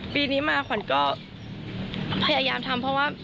ปีนี้มาขวัญก็พยายามทำเพราะว่า